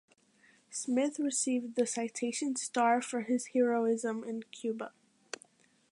Smith received the Citation Star for his heroism in Cuba.